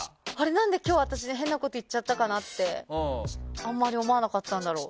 何で今日、私何で変なこと言っちゃったかなってあんまり思わなかったんだろう。